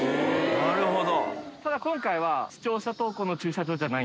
なるほど。